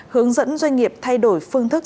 hướng dẫn doanh nghiệp thay đổi phương thức